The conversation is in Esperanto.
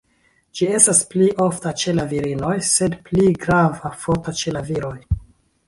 Ĝi estas pli ofta ĉe la virinoj, sed pli grava, forta ĉe la viroj.